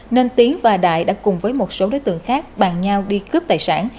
nên tiến và đại đã cùng với một số đối tượng khác bàn nhau đi cướp tài sản